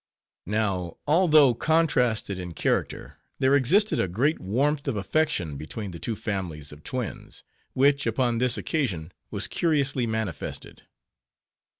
Now, although contrasted in character, there existed a great warmth of affection between the two families of twins, which upon this occasion was curiously manifested.